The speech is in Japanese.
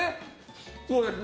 そうですね。